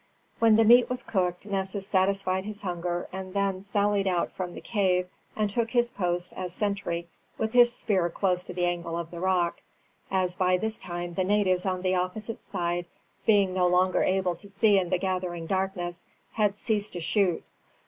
When the meat was cooked Nessus satisfied his hunger and then sallied out from the cave and took his post as sentry with his spear close to the angle of the rock, as by this time the natives on the opposite side, being no longer able to see in the gathering darkness, had ceased to shoot.